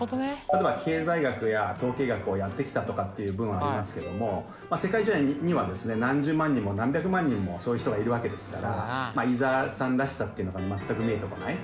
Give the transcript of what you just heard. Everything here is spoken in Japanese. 例えば「経済学や統計学をやってきた」とかっていう文ありますけども世界中には何十万人も何百万人もそういう人がいるわけですから伊沢さんらしさっていうのが全く見えてこない。